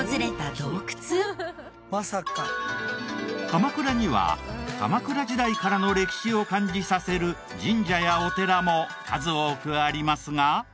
鎌倉には鎌倉時代からの歴史を感じさせる神社やお寺も数多くありますが。